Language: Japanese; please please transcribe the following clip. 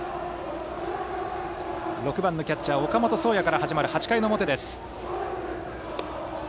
６番のキャッチャー岡本壮矢から始まる８回の表の攻撃です。